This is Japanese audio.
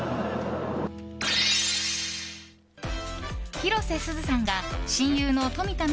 広瀬すずさんが親友の富田望